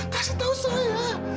kasih tahu saya